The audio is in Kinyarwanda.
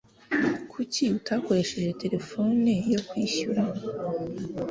Kuki utakoresheje terefone yo kwishyura?